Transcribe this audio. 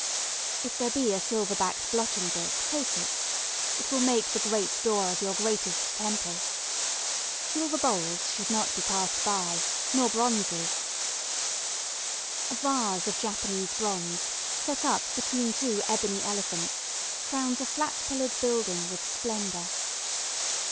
If there be a silver backed blotting book, take it. It will make the great door of your greatest temple. Silver bowls should not be passed by, nor bronzes. A vase of Japanese bronze set up between two ebony elephants crowns a flat pillared building with splendour.